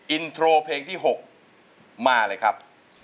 อินโทรเพลงที่๖มาเลยครับ